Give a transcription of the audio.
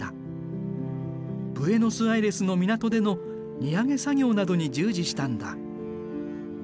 ブエノスアイレスの港での荷揚げ作業などに従事したんだ。